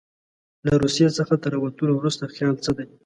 له روسیې څخه تر راوتلو وروسته خیال څه دی.